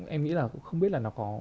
em nghĩ là không biết là nó có